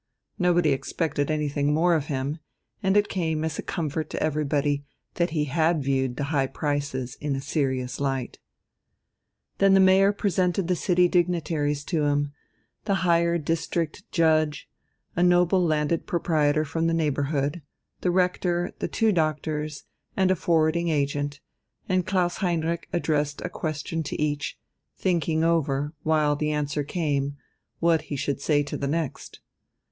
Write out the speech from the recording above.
Nobody expected anything more of him, and it came as a comfort to everybody that he had viewed the high prices in a serious light. Then the Mayor presented the city dignitaries to him: the higher District Judge, a noble landed proprietor from the neighbourhood, the rector, the two doctors, and a forwarding agent, and Klaus Heinrich addressed a question to each, thinking over, while the answer came, what he should say to the next.